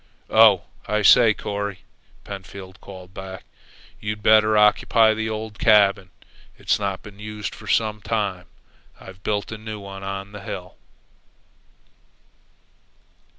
"Oh, I say, Corry," Pentfield called back, "you'd better occupy the old cabin. It's not been used for some time. I've built a new one on the hill."